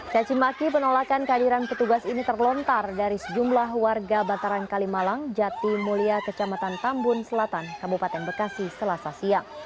cacimaki penolakan kehadiran petugas ini terlontar dari sejumlah warga bantaran kalimalang jati mulia kecamatan tambun selatan kabupaten bekasi selasa siang